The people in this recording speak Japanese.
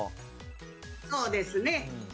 そうですね。